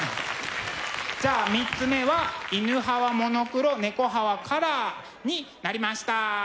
じゃあ３つ目は「犬派はモノクロ猫派はカラー」になりました。